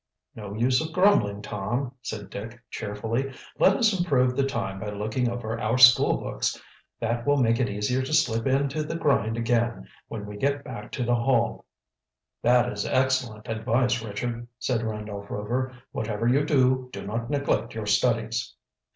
"No use of grumbling, Tom," said Dick cheerfully. "Let us improve the time by looking over our school books. That will make it easier to slip into the grind again when we get back to the Hall." "That is excellent advice, Richard," said Randolph Rover. "Whatever you do, do not neglect your studies."